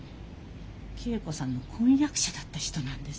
桂子さんの婚約者だった人なんです。